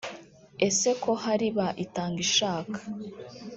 Ese ko hari ba Itangishaka